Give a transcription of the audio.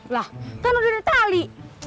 lah kan udah ada tali